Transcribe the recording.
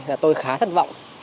là tôi khá thất vọng